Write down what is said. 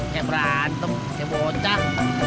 gak berantem gak bocah